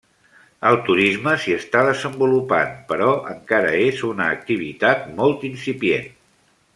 El turisme s'hi està desenvolupant però encara és una activitat molt incipient.